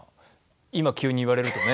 今、急に言われるとね。